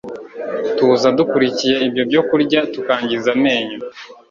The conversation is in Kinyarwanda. tuza dukurikiye ibyo byo kurya tukangiza amenyo.